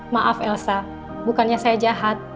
maaf elsa bukannya saya jahat